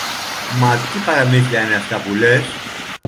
Μα τι παραμύθια είναι αυτά που λες;